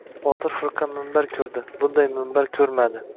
Botir firqa minbar ko‘rdi — bunday minbar ko‘rmadi.